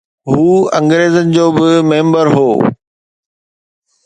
هو انگريزن جو به ميمبر هو